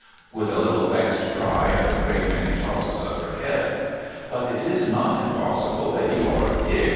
' (with a little vexed cry and a great many tosses of her head.) 'But it is not impossible that you are a Pig!'